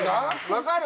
分かる？